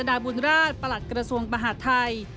นายบุญราชประหลักกระทรวงประหารไทย